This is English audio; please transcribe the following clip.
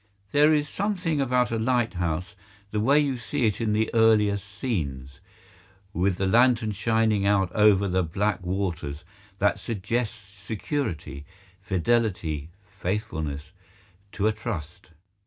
There is something about a lighthouse—the way you see it in the earlier scenes—with the lantern shining out over the black waters that suggests security, fidelity, faithfulness, to a trust.